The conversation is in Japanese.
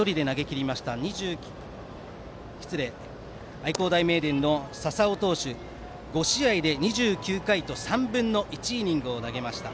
愛工大名電の笹尾投手は５試合で２９回と３分の１イニングを投げました。